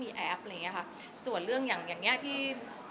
มีแอปส่วนเรื่องอย่างนี้